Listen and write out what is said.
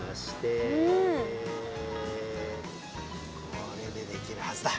これでできるはずだ。